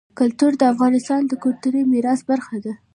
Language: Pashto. کلتور د افغانستان د کلتوري میراث برخه ده.